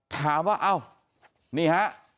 ถามว่านี่ฮะ